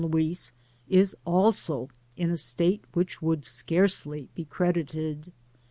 uis k also in a state which would scarcely be credited.